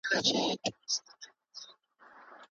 کله کله به پاچا هم په نڅا سو